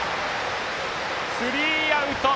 スリーアウト。